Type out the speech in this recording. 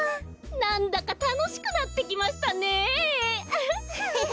なんだかたのしくなってきましたねえ！